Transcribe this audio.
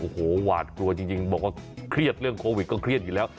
โอ้โหหวาดกลัวจริงบอกว่าเครียดเรื่องโควิดก็เครียดอยู่แล้ว